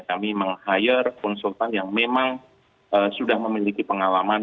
kami meng hire konsultan yang memang sudah memiliki pengalaman